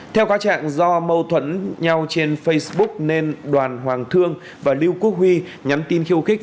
theo các trạng do mâu thuẫn nhau trên facebook nên đoàn hoàng thương và lưu quốc huy nhắn tin khiêu khích